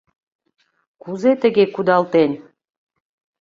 — Кузе тыге кудалтен?